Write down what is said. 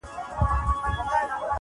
چي یې ستا له زخمه درد و احساس راکړ.